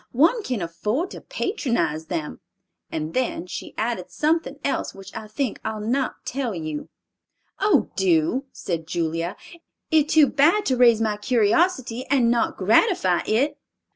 One can afford to patronize them.' And then she added something else which I think I'll not tell you." "Oh, do," said Julia. "It too bad to raise my curiosity and not gratify it."